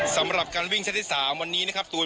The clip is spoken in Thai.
สำหรับการวิ่งเซตที่๓วันนี้นะครับตูน